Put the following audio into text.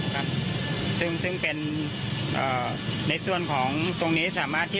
ครับซึ่งซึ่งเป็นเอ่อในส่วนของตรงนี้สามารถที่